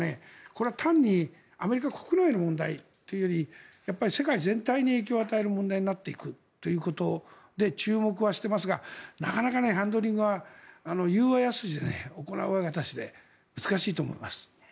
これは単にアメリカ国内の問題というより世界全体に影響を与える問題になっていくということで注目はしていますがなかなか、ハンドリングは言うは易く行うは難しで難しいと思います。